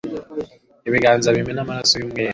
ibiganza bimena amaraso y'umwere